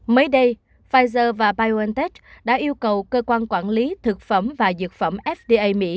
mới đây pfizer và biontech đã yêu cầu cơ quan quản lý thực phẩm và dược phẩm fda mỹ